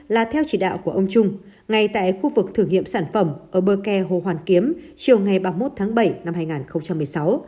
là theo chỉ đạo của ông trung ngay tại khu vực thử nghiệm sản phẩm ở bờ kè hồ hoàn kiếm chiều ngày ba mươi một tháng bảy năm hai nghìn một mươi sáu